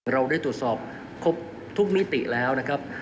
เราได้ตรวจสอบครบทุกมิติแล้วนะครับ